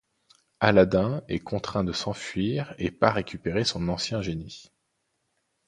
Aladin est contraint de s’enfuir et part récupérer son ancien génie.